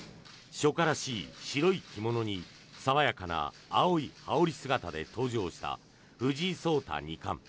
初夏らしい白い着物に爽やかな青い羽織姿で登場した藤井聡太二冠。